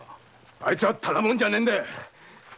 あいつはただ者じゃねえんだ！